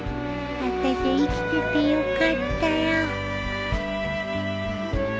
あたしゃ生きててよかったよ